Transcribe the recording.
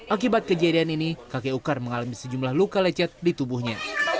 akibat kejadian ini kakek ukar mengalami sejumlah luka lecet di tubuhnya